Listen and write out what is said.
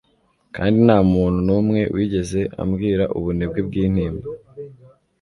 kandi ntamuntu numwe wigeze ambwira ubunebwe bwintimba